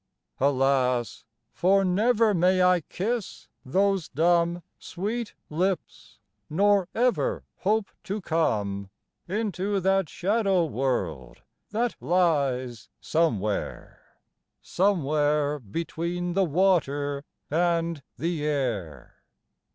Alas! for never may I kiss those dumb Sweet lips, nor ever hope to come Into that shadow world that lies somewhere Somewhere between the water and the air.